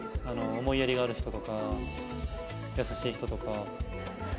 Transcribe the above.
「思いやりがある人」とか「優しい人」とか。